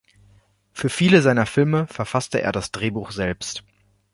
Für viele seiner Filme verfasste er das Drehbuch selbst.